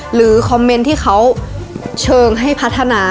หรือคอมเมนต์ที่เขาเชิงให้พัฒนา